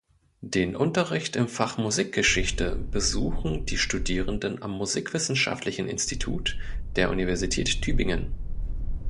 Den Unterricht im Fach Musikgeschichte besuchen die Studierenden am musikwissenschaftlichen Institut der Universität Tübingen.